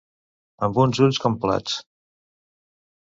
Amb uns ulls com plats.